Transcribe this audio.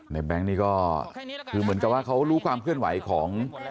แบงค์นี่ก็คือเหมือนกับว่าเขารู้ความเคลื่อนไหวของ